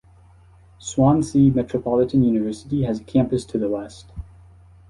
Swansea Metropolitan University has a campus to the west.